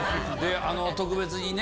特別にね